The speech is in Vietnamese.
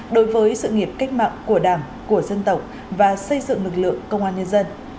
đối với sự nghiệp cách mạng của đảng của dân tộc và xây dựng lực lượng công an nhân dân